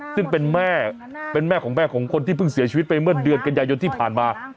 ซึ่งเป็นแม่เป็นแม่ของแม่ของคนที่เพิ่งเสียชีวิตไปเมื่อเดือนกันยายนที่ผ่านมา